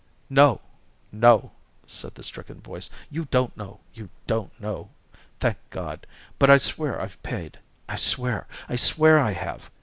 "No, no," said the stricken voice, "you don't know, you don't know, thank God. But I swear I've paid I swear, I swear I have.